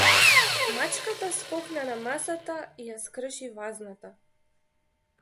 Мачката скокна на масата и ја скрши вазната.